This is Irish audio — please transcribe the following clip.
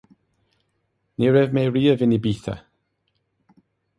Ní raibh mé riamh in Ibiza